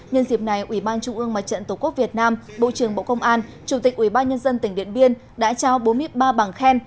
nhân dịp này ủy ban trung ương mặt trận tổ quốc việt nam bộ trưởng bộ công an chủ tịch ủy ban nhân dân tỉnh điện biên đã trao bốn mươi ba bảng khen